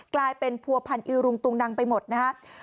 กลายเป็นผัวพันอิรุงตุงนังไปหมดนะครับ